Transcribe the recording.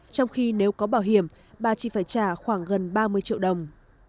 trong khi nếu có bảo hiểm bà chỉ phải trả khoảng gần ba mươi triệu đồng